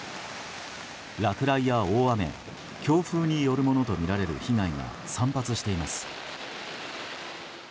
落雷や大雨強風によるものとみられる被害が散発しています。